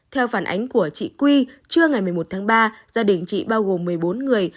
theo phản ánh của chị quy trưa ngày một mươi một tháng ba gia đình chị bao gồm một mươi bốn người